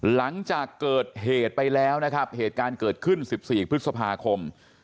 หลังจากเกิดเหตุไปแล้วนะครับเหตุการณ์เกิดขึ้น๑๔พฤษภาคม